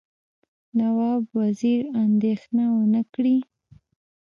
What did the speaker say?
نواب وزیر اندېښنه ونه کړي.